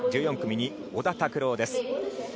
１４組に小田卓朗です。